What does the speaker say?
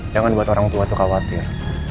jangan buat orang tua itu khawatir